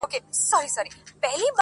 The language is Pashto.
ستا د يادو لپاره~